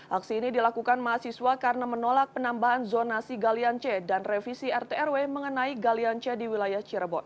aksi ini dilakukan mahasiswa karena menolak penambahan zonasi galian c dan revisi rtrw mengenai galian c di wilayah cirebon